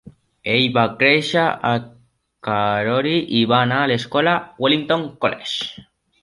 Ell va créixer a Karori i va anar a l"escola Wellington College.